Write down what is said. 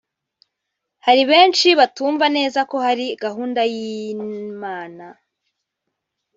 Hari benshi batumva neza ko ari gahunda y’Imana